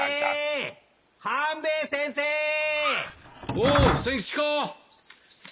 おお仙吉か？